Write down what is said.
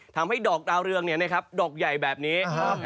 ทำให้ดอกดาวเรืองเนี่ยนะครับดอกใหญ่แบบนี้